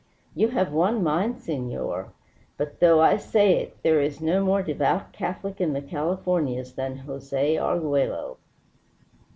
"You have won mine, senor. But, though I say it, there is no more devout Catholic in the Californias than Jose Arguello.